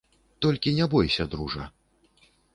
Толькі не бойся, дружа.